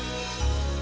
pemindah ingin tahu